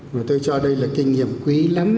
mà tôi cho đây là kinh nghiệm quý lắm